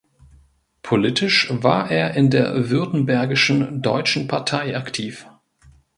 Politisch war er in der württembergischen Deutschen Partei aktiv.